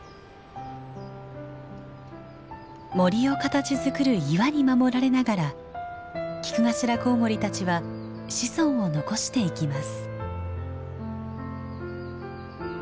森を形づくる岩に守られながらキクガシラコウモリたちは子孫を残していきます。